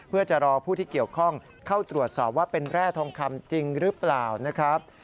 เพื่อจะรอผู้ที่เกี่ยวข้องเข้าตรวจสอบว่าเป็นแร่ทองคำจริงหรือเปล่านะครับ